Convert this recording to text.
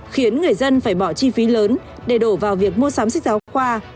khiến người dân phải bỏ chi phí lớn để đổ vào việc mua sắm sách giáo khoa